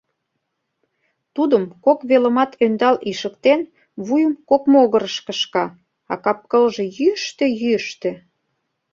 Тудым кок велымат ӧндал ишыктен, вуйым кок могырыш кышка, а кап-кылже йӱштӧ-йӱштӧ...